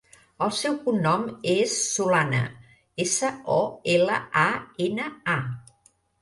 El seu cognom és Solana: essa, o, ela, a, ena, a.